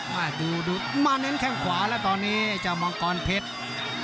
มาดูมาเน้นแข้งขวาแล้วตอนนี้ไอ้เจ้ามังกรเพชร